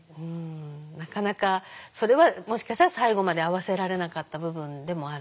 なかなかそれはもしかしたら最後まで合わせられなかった部分でもあるんですけど。